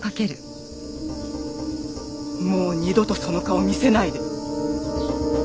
もう二度とその顔見せないで。